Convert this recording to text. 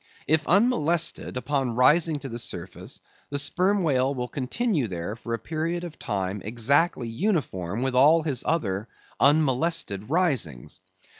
If unmolested, upon rising to the surface, the Sperm Whale will continue there for a period of time exactly uniform with all his other unmolested risings.